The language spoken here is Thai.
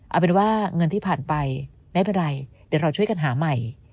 เอาเป็นว่าเงินที่ผ่านไปไม่เป็นไรเดี๋ยวเราช่วยกันหาใหม่